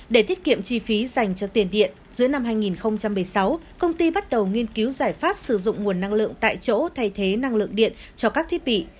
để tiết kiệm chi phí dành cho tiền điện dưới năm hai nghìn một mươi sáu công ty bắt đầu nghiên cứu giải pháp sử dụng nguồn năng lượng tại chỗ thay thế năng lượng điện cho các thiết bị